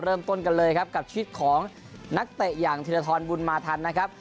เริ่มต้นกันเลยครับกับชีวิตของนักเตะอย่างธิรทรบุญมาทันนะครับ